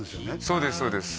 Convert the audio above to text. そうですそうです